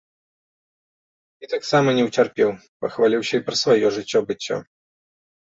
І таксама не ўцерпеў, пахваліўся і пра сваё жыццё-быццё.